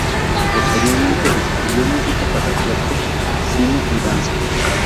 Posteriormente escribió música para teatro, cine y danza.